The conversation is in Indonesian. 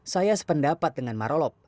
saya sependapat dengan marolop